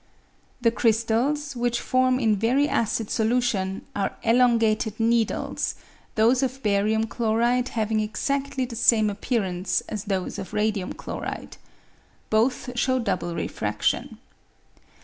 The crystals, which form in very acid solution, are elongated needles, those of barium chloride having exacHy the same appearance as those of radium chloride. Both show^ double refraction.